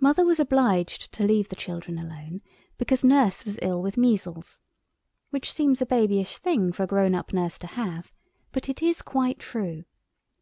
Mother was obliged to leave the children alone, because Nurse was ill with measles, which seems a babyish thing for a grown up nurse to have—but it is quite true.